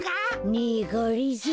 ねえがりぞー。